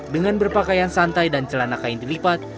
dengan berpakaian santai dan celana kain dilipat